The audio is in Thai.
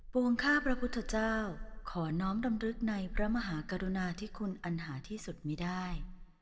วงข้าพระพุทธเจ้าขอน้อมดำรึกในพระมหากรุณาที่คุณอันหาที่สุดมีได้